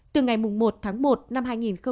từ ngày một tháng một năm hai nghìn hai mươi